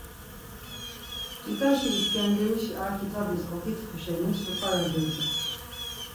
Chitaşi İskenderişi ar kitabis Oǩitxuşeni Supara gyodzin.